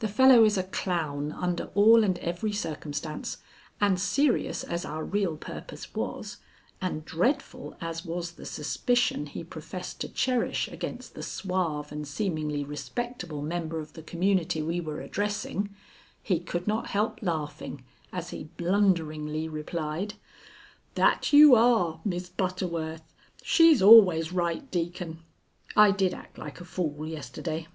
The fellow is a clown under all and every circumstance, and serious as our real purpose was, and dreadful as was the suspicion he professed to cherish against the suave and seemingly respectable member of the community we were addressing, he could not help laughing, as he blunderingly replied: "That you are, Miss Butterworth! She's always right, Deacon. I did act like a fool yesterday."